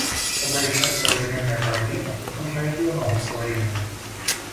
Чтобы решать современные проблемы, нужно идти в ногу со временем.